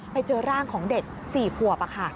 ไปเจอร่างของเด็ก๔ขวบ